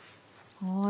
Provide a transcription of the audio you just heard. はい。